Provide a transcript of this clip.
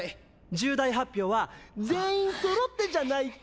重大発表は全員そろってじゃないと。